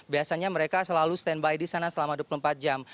biasanya mereka selalu standby di sana selama dua puluh empat jam